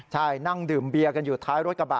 ใช่นั่งดื่มเบียร์กันอยู่ท้ายรถกระบะ